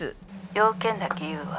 用件だけ言うわ。